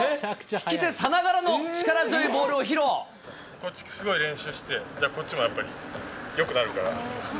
利き手さながらの力強いボーこっちをすごい練習して、じゃあこっちもやっぱりよくなるから。